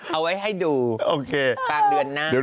เอาไว้ให้ดูปากเดือนหน้า